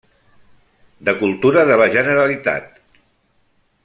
De Cultura de la Generalitat.